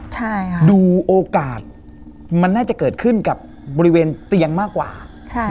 ใช่ค่ะดูโอกาสมันน่าจะเกิดขึ้นกับบริเวณเตียงมากกว่าใช่